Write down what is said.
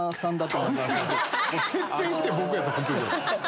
徹底して僕やと思ってる。